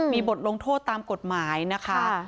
มีบทลงโทษตามกฎหมายนะคะ